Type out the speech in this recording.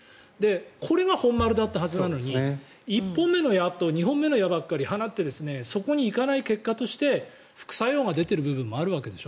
これが本丸だったはずなのに１本目の矢と２本目の矢ばかりを放ってそこに行かない結果として副作用が出ている部分もあるわけでしょ。